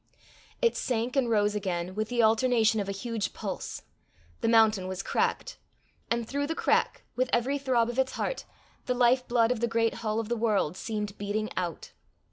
It sank and rose again, with the alternation of a huge pulse: the mountain was cracked, and through the crack, with every throb of its heart, the life blood of the great hull of the world seemed beating out.